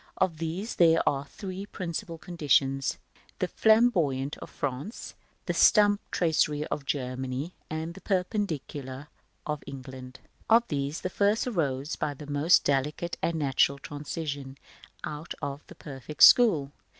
Of these there are three principal conditions: the Flamboyant of France, the Stump tracery of Germany, and the Perpendicular of England. § XIV. Of these the first arose, by the most delicate and natural transitions, out of the perfect school.